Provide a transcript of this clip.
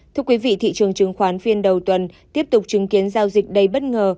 thưa quý vị thị trường chứng khoán phiên đầu tuần tiếp tục chứng kiến giao dịch đầy bất ngờ